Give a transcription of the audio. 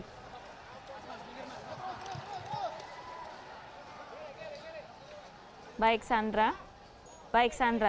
kita akan mencoba kesana